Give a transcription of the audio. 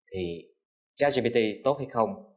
thì jack gpt tốt hay không